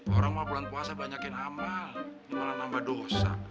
orang mau bulan puasa banyakin amal malah nambah dosa